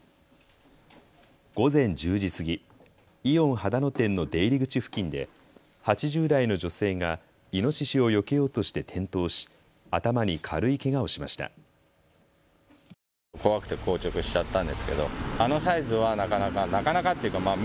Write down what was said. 午前１０時過ぎ、イオン秦野店の出入り口付近で８０代の女性がイノシシをよけようとして転倒し頭に軽いけがをしました。